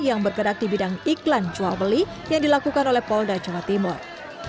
yang bergerak di bidang iklan jual beli yang dilakukan oleh polda jawa timur